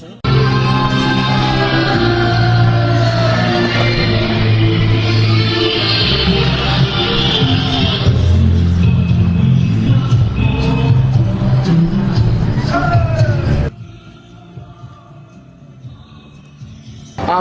สวัสดีครับวันนี้ชัพเบียนเอ้าเฮ้ย